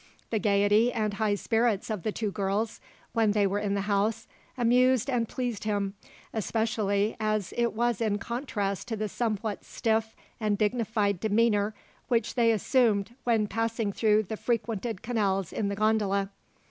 The gaiety and high spirits of the two girls, when they were in the house, amused and pleased him, especially as it was in contrast to the somewhat stiff and dignified demeanour which they assumed when passing through the frequented canals in the gondola.